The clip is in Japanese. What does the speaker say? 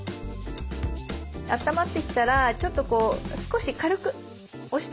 あったまってきたらちょっと少し軽く押してあげる。